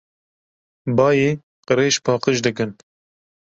Bayê qirêj paqij dikin.